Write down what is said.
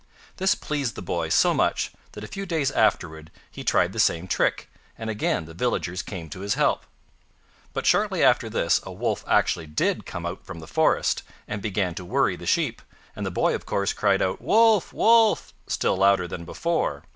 This pleased the boy so much that a few days afterward he tried the same trick, and again the villagers came to his help. But shortly after this a Wolf actually did come out from the forest, and began to worry the sheep, and the boy of course cried out "Wolf, Wolf," still louder than before.